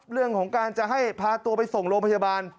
เรื่องของการจะให้พาตัวไปส่งโรงพยาบาล